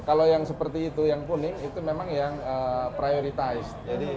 kalau yang seperti itu yang kuning itu memang yang prioritized